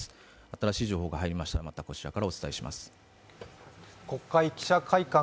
新しい情報が入りましたら、またこちらからお伝えします。